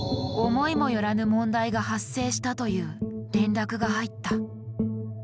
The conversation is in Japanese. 思いもよらぬ問題が発生したという連絡が入った。